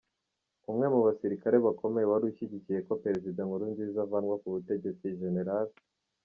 Umwe mu basirikare bakomeye wari ushyigikiye ko Perezida Nkurunziza avanwa ku butegetsi, Gen.